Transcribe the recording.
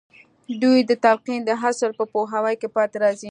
دوی د تلقين د اصل په پوهاوي کې پاتې راځي.